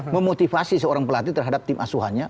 memotivasi seorang pelatih terhadap tim asuhannya